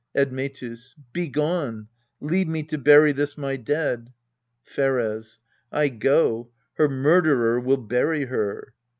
Admctus. Begone : leave me to bury this my dead. Pheres. I go: her murderer will bury her.